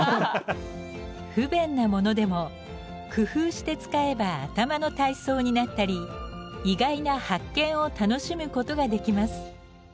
不便なものでも工夫して使えば頭の体操になったり意外な発見を楽しむことができます。